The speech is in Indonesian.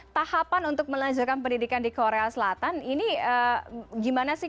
tahapan untuk melanjutkan pendidikan di korea selatan ini gimana sih